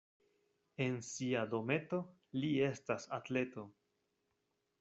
En sia dometo li estas atleto.